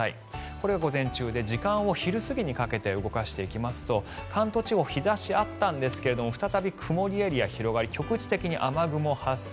これが午前中で時間を昼過ぎにかけて動かしていきますと関東地方日差しがあったんですが再び曇りエリアが広がり局地的に雨雲が発生。